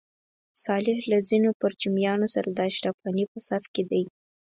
صالح له ځینو پرچمیانو سره د اشرف غني په صف کې دی.